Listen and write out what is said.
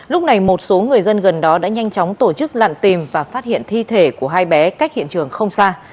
lúc này một số người dân gần đó đã nhanh chóng tổ chức lặn tìm và phát hiện thi thể của hai bé cách hiện trường không xa